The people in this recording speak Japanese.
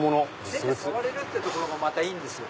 手で触れるってところがまたいいんですよ。